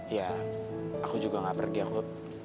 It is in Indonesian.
ya aku juga gak pergi aku